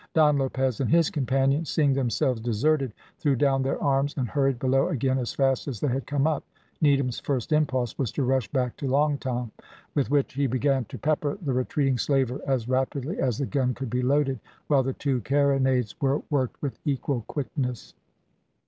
Don Lopez and his companions, seeing themselves deserted, threw down their arms and hurried below again as fast as they had come up. Needham's first impulse was to rush back to Long Tom, with which he began to pepper the retreating slaver as rapidly as the gun could be loaded, while the two carronades were worked with equal quickness.